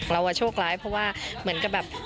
เราโชคร้ายเพราะว่าเหมือนกับแบบ